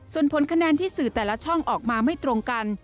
ส่วนผลคะแนนที่สื่อแต่ละช่องออกมาไม่ตรงกัน